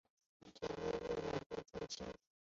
整个工程共分三期。